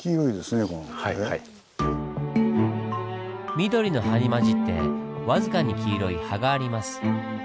緑の葉に交じって僅かに黄色い葉があります。